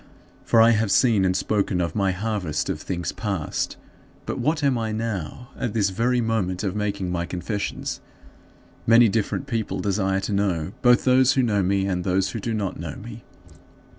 For I have seen and spoken of my harvest of things past. But what am I now, at this very moment of making my confessions? Many different people desire to know, both those who know me and those who do not know me.